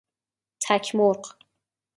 تک مرغ